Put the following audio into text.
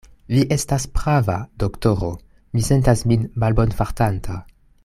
Vi estas prava, doktoro; mi sentas min malbonfartanta.